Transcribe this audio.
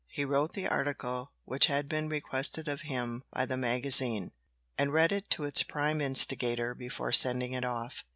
He wrote the article which had been requested of him by the magazine, and read it to its prime instigator before sending it off.